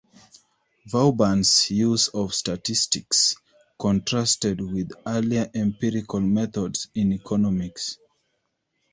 Vauban's use of statistics contrasted with earlier empirical methods in economics.